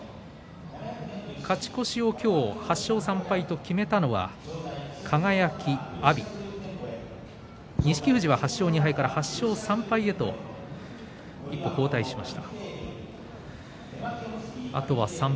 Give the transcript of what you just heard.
勝ち越しを８勝３敗と決めたのは輝、阿炎、錦富士８勝２敗から８勝３敗に一歩後退です。